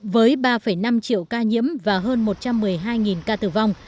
với ba năm triệu ca nhiễm và hơn một trăm một mươi hai ca tử vong